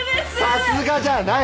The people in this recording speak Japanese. さすがじゃない！